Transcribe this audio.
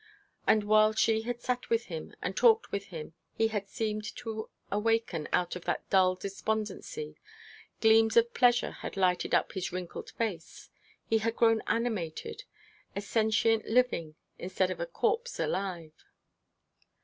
And while she had sat with him and talked with him he had seemed to awaken out of that dull despondency, gleams of pleasure had lighted up his wrinkled face he had grown animated, a sentient living instead of a corpse alive.